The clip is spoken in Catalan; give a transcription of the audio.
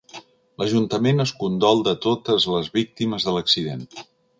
L'ajuntament es condol de totes les víctimes de l'accident.